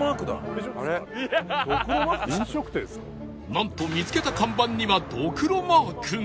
なんと見つけた看板にはどくろマークが